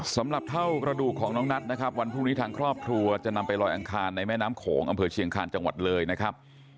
สำหรับเท่ากระดูกของน้องนัทนะครับวันพรุ่งนี้ทางครอบครัวจะนำไปลอยอังคารในแม่น้ำโขงอำเภอเชียงคาญจังหวัดเลยนะครับ